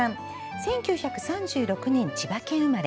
１９３６年、千葉県生まれ。